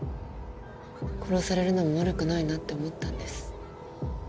殺されるのも悪くないなって思ったんです